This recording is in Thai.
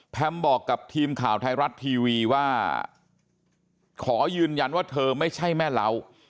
บอกกับทีมข่าวไทยรัฐทีวีว่าขอยืนยันว่าเธอไม่ใช่แม่เหล้า